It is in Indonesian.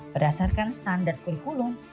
berdasarkan standar kurikulum